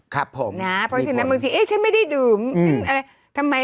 ครับผมนะเพราะฉะนั้นบางทีเอ๊ะฉันไม่ได้ดื่มฉันอะไรทำไม